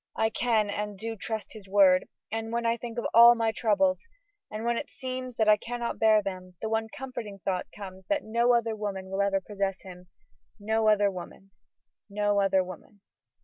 I can and do trust his word, and when I think of all my troubles, and when it seems that I cannot bear them, the one comforting thought comes that no other woman will ever possess him; no other woman; no other woman.